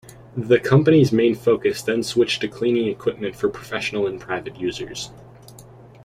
The company's main focus then switched to cleaning equipment for professional and private users.